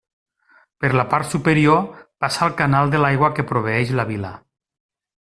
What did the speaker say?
Per la part superior passa el canal de l'aigua que proveeix la vila.